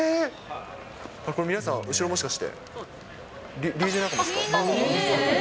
これ皆さん、後ろもしかして、ＤＪ仲間ですか？